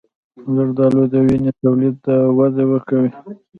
زردآلو د وینې تولید ته وده ورکوي.